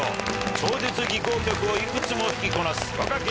超絶技巧テクをいくつも弾きこなす若き